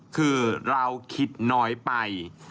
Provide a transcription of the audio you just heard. คือเราคิดน้อยไป